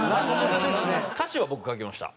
歌詞は僕書きました。